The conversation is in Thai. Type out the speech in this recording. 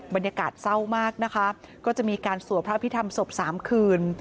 บรรยากาศเศร้ามากนะคะก็จะมีการสวดพระพิธรรมศพ๓คืน